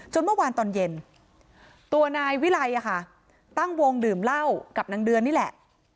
เมื่อวานตอนเย็นตัวนายวิไลตั้งวงดื่มเหล้ากับนางเดือนนี่แหละ